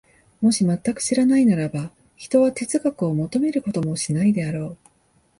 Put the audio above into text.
もし全く知らないならば、ひとは哲学を求めることもしないであろう。